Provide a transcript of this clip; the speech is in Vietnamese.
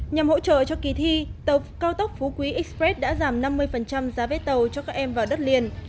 nhằm hỗ trợ cho kỳ thi tàu cao tốc phú quý express đã giảm năm mươi giá vết tàu cho các em vào đất liền